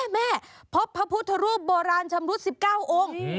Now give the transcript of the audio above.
พบพระพุทธรูปโบราณชำรุด๑๙องค์